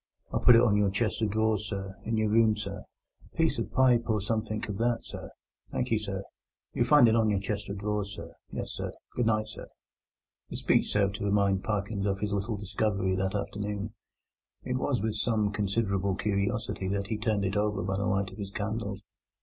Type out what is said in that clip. I put it on your chest of drawers, sir, in your room, sir—a piece of a pipe or somethink of that, sir. Thank you, sir. You'll find it on your chest of drawers, sir—yes, sir. Good night, sir." The speech served to remind Parkins of his little discovery of that afternoon. It was with some considerable curiosity that he turned it over by the light of his candles.